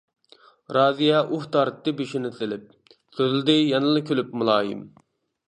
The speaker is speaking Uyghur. رازىيە ئۇھ تارتتى بېشىنى سېلىپ، سۆزلىدى يەنىلا كۈلۈپ مۇلايىم.